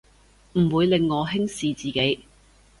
唔會令我輕視自己